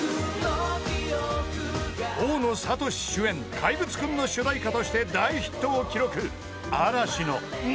［大野智主演『怪物くん』の主題歌として大ヒットを記録］